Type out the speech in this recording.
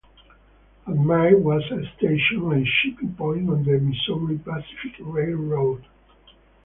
Admire was a station and shipping point on the Missouri Pacific Railroad.